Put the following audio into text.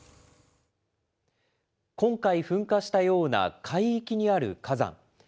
今回噴火したような海域にある火山。